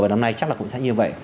và năm nay chắc là cũng sẽ như vậy